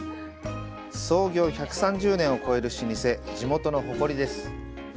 創業１３０年を超える老舗地元の誇りです。